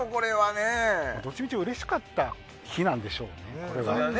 どっちみちうれしかった日なんでしょうね。